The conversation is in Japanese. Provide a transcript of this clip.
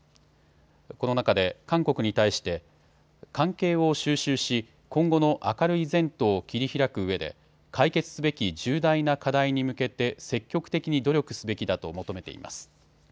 この中で韓国に対して関係を収拾し、今後の明るい前途を切り開くうえで解決すべき重大な課題に向けて積極的に努力すべきだと求めています。